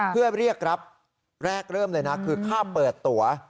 เพื่อเรียกรับแรกเริ่มเลยนะคือค่าเปิดตัว